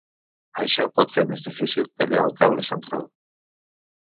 Això pot fer més difícil tallar el cable central.